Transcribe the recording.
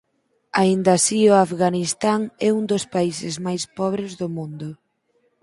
Aínda así o Afganistán é un dos países máis pobres do mundo.